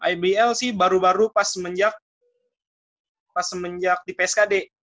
ibl sih baru baru pas semenjak di pskd